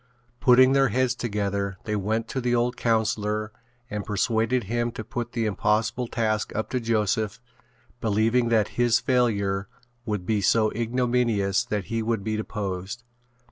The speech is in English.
Putting their heads together they went to the old councillor and persuaded him to put the impossible task up to Joseph believing that his failure would be so ignominious that he would be deposed.